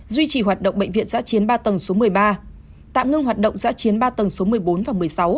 duy trì hoạt động bệnh viện giã chiến ba tầng số một mươi ba tạm ngưng hoạt động giã chiến ba tầng số một mươi bốn và một mươi sáu